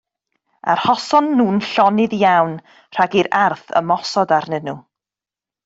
Arhoson nhw'n llonydd iawn rhag i'r arth ymosod arnyn nhw.